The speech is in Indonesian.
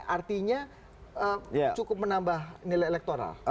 artinya cukup menambah nilai elektoral